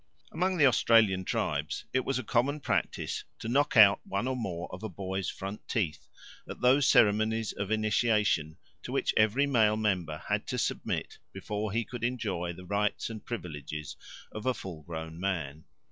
Among the Australian tribes it was a common practice to knock out one or more of a boy's front teeth at those ceremonies of initiation to which every male member had to submit before he could enjoy the rights and privileges of a full grown man.